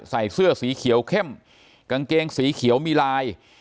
ใส่เสื้อสีเขียวเข้มกางเกงสีเขียวมีลาย